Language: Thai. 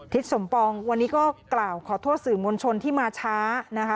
สมปองวันนี้ก็กล่าวขอโทษสื่อมวลชนที่มาช้านะคะ